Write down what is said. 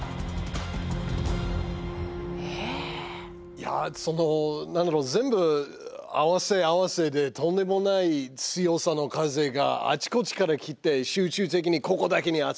いやその何だろう全部合わせ合わせでとんでもない強さの風があちこちから来て集中的にここだけに集まる。